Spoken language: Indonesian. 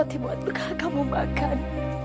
nila tiba tiba akan memakan